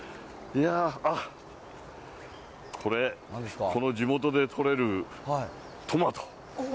あっ、これ、この地元で取れるトマト。